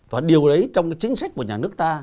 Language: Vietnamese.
và điều đấy trong cái chính sách của nhà nước ta